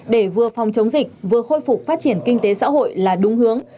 để vừa phòng chống dịch vừa khôi phục phát triển kinh tế xã hội là đúng hướng